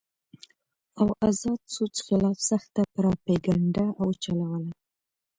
او ازاد سوچ خلاف سخته پراپېګنډه اوچلوله